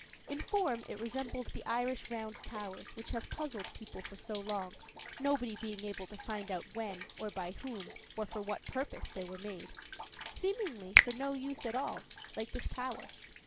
In form it resembled the Irish round towers, which have puzzled people for so long, nobody being able to find out when, or by whom, or for what purpose they were made; seemingly for no use at all, like this tower.